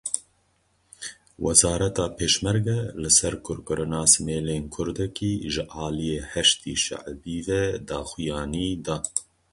Wezareta Pêşmerge li ser kurkirina simêlên Kurdekî ji aliyê Heşdî Şeibî ve daxuyanî da.